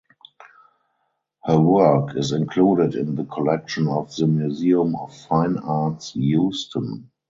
Her work is included in the collection of the Museum of Fine Arts Houston.